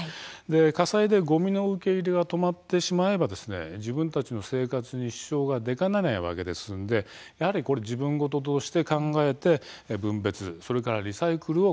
火災でごみの受け入れが止まってしまえば自分たちの生活に支障が出かねないわけですのでやはり自分事として考えて分別それからリサイクルを